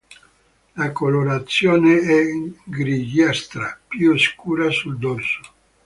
La colorazione è grigiastra, più scura sul dorso.